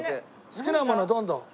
好きなものどんどん。